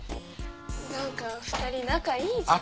なんか２人仲いいじゃん。